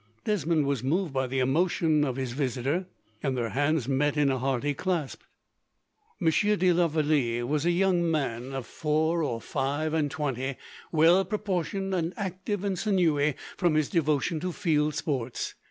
Desmond was moved by the emotion of his visitor, and their hands met in a hearty clasp. Monsieur de la Vallee was a young man, of four or five and twenty, well proportioned, and active and sinewy from his devotion to field sports.